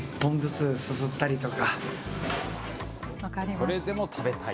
それでも食べたい。